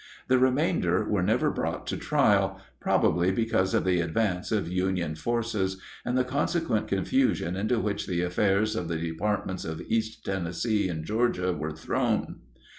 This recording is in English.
The remainder were never brought to trial, probably because of the advance of Union forces, and the consequent confusion into which the affairs of the departments of east Tennessee and Georgia were thrown.